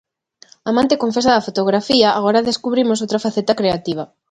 Amante confesa da fotografía agora descubrimos outra faceta creativa.